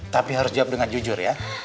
tapi harus jawab dengan jujur ya